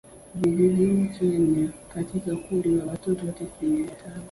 Vijijini Kenya katika kundi la watoto tisini na tano